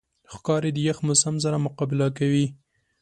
ښکاري د یخ موسم سره مقابله کوي.